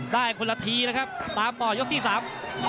คนละทีนะครับตามต่อยกที่สาม